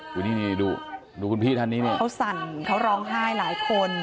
เขาสั่นเขาร้องไห้หลายคน